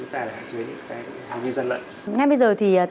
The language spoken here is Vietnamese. chúng ta hạn chế những cái hành vi dân lận